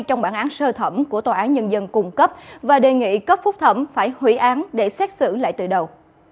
trong bản án sơ thẩm của tòa án nhân dân cung cấp và đề nghị cấp phúc thẩm phải hủy án để xét xử lại từ đầu